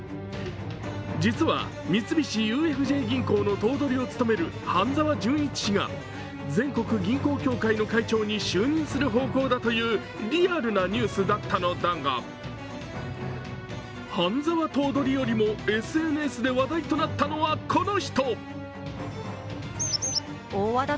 実は、三菱ＵＦＪ銀行の頭取を務める半沢淳一氏が全国銀行協会の会長に就任する方向だというリアルなニュースだったのだが半沢頭取よりもＳＮＳで話題となったのはこの人。